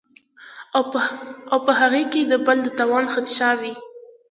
او پۀ هغې کې د بل د تاوان خدشه وي